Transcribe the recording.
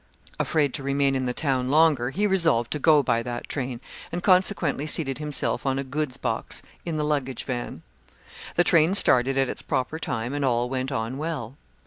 Afraid to remain in the town longer, he resolved to go by that train; and consequently seated himself on a goods' box in the luggage van. The train started at its proper time, and all went on well.